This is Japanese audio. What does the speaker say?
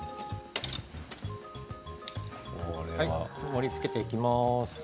盛りつけていきます。